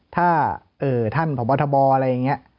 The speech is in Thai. ถ้าท่านพบทบอะไรอย่างนี้